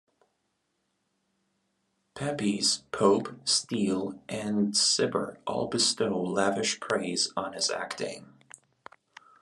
Pepys, Pope, Steele, and Cibber all bestow lavish praise on his acting.